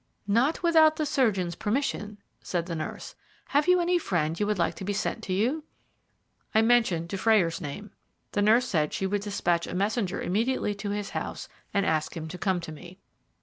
"Not without the surgeon's permission," said the nurse. "Have you any friend you would like to be sent to you?" I mentioned Dufrayer's name. The nurse said she would dispatch a messenger immediately to his house and ask him to come to me.